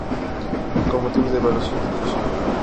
Con motivos de evaluación y distribución.